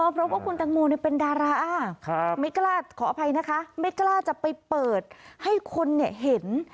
เพราะว่าคุณแต่งโมเป็นดาราไม่กล้าจะไปเปิดให้คนเห็น